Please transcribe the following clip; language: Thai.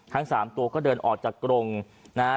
ทั้งสามตัวก็เดินออกจากกรงนะฮะ